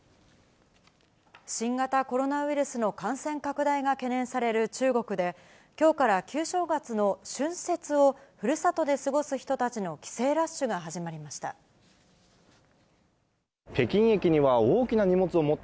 新型コロナウイルスの感染拡大が懸念される中国で、きょうから旧正月の春節を、ふるさとで過ごす人たちの帰省ラッシュが始まりました。